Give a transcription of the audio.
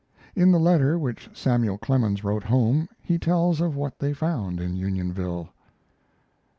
In the letter which Samuel Clemens wrote home he tells of what they found in Unionville.